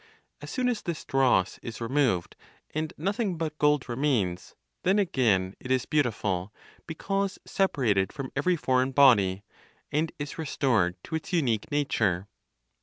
As soon as this dross is removed, and nothing but gold remains, then again it is beautiful, because separated from every foreign body, and is restored to its unique nature.